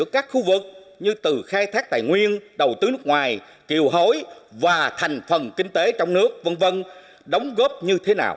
các khu vực như từ khai thác tài nguyên đầu tư nước ngoài kiều hối và thành phần kinh tế trong nước v v đóng góp như thế nào